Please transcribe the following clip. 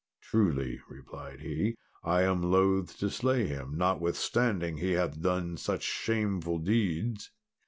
"Truly," replied he, "I am loth to slay him, notwithstanding he hath done such shameful deeds.